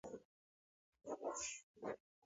مېلمه ته په پراخه ټنډه ښه راغلاست ووایئ.